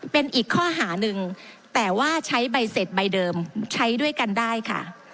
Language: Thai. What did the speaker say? เป็นอีกข้อหาหนึ่งแต่ว่าใช้ใบเสร็จใบเดิมใช้ด้วยกันได้ค่ะ